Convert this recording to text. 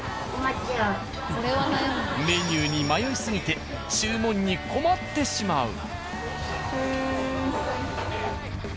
メニューに迷い過ぎて注文に困ってしまう！